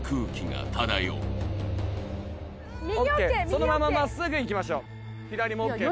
そのまままっすぐ行きましょう左もＯＫね